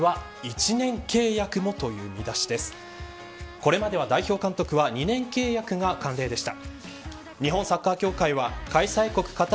これまで代表監督は２年契約が慣例でした。